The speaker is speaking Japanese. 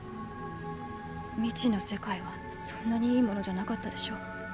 未知の世界はそんなにいいものじゃなかったでしょ？